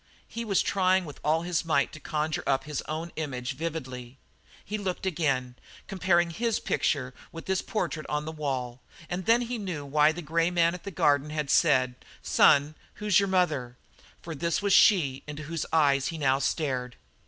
He was trying with all his might to conjure up his own image vividly. He looked again, comparing his picture with this portrait on the wall, and then he knew why the grey man at the Garden had said: "Son, who's your mother?" For this was she into whose eyes he now stared.